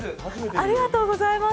ありがとうございます！